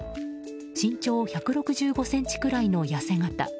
身長１６５ｃｍくらいの痩せ形。